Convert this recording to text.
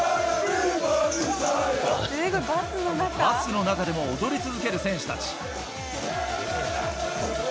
バスの中でも踊り続ける選手たち。